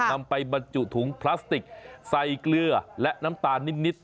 นำไปบรรจุถุงพลาสติกใส่เกลือและน้ำตาลนิด